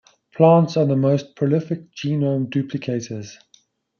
Plants are the most prolific genome duplicators.